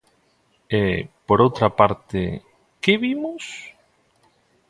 E, por outra parte, ¿que vimos?